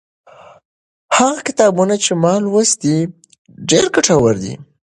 هغه کتابونه چې ما لوستي، ډېر ګټور دي.